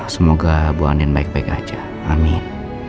semoga bu amin baik baik aja amin